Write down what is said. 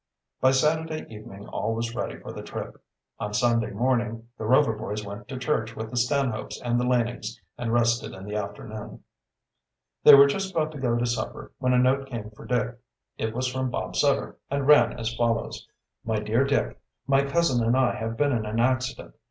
By Saturday evening all was ready for the trip. On Sunday morning the Rover boys went to church with the Stanhopes and the Lanings, and rested in the afternoon. They were just about to go to supper, when a note came for Dick. It was from Bob Sutter, and ran as follows: "MY DEAR DICK: My cousin and I have been in an accident.